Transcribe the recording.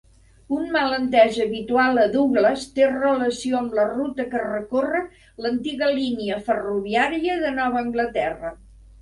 Un malentès habitual a Douglas té relació amb la ruta que recorre l'antiga línia ferroviària de Nova Anglaterra.